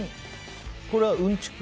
これは、うんちく。